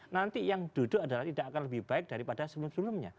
nanti yang duduk adalah tidak akan lebih baik daripada sebelum sebelumnya